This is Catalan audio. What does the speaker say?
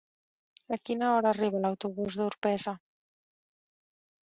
A quina hora arriba l'autobús d'Orpesa?